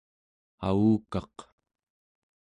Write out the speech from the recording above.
avukaq